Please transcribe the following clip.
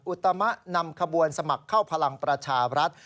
อุตมะนำขบวนสมัครเข้าพลังประชาบรัฐ